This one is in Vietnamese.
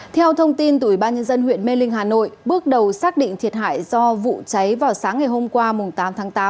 theo thông tin từ ủy ban nhân dân huyện mê linh hà nội bước đầu xác định thiệt hại do vụ cháy vào sáng ngày hôm qua tám tháng tám